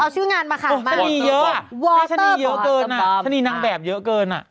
ชะนีเยอะหรอชะนีเยอะเกินชะนีนางแบบเยอะเกิน